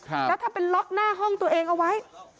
แล้วถ้าเป็นล็อกหน้าห้องตัวเองเอาไว้